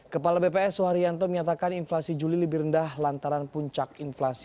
kepala bps suharyanto menyatakan inflasi juli lebih rendah lantaran puncak inflasi